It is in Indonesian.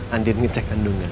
andin ngecek kandungan